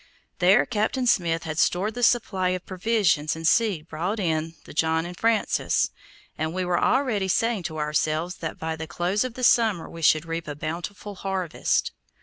There Captain Smith had stored the supply of provisions and seed brought in the John and Francis, and we were already saying to ourselves that by the close of the summer we should reap a bountiful harvest.